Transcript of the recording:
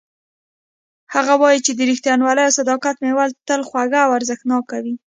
هغه وایي چې د ریښتینولۍ او صداقت میوه تل خوږه او ارزښتناکه وي